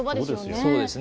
そうですね。